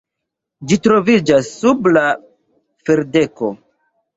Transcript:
Ĝi troviĝas sub la ferdeko.